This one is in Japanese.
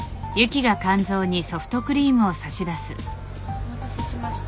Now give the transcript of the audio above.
お待たせしました。